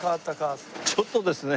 ちょっとですね。